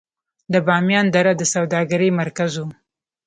د بامیان دره د سوداګرۍ مرکز و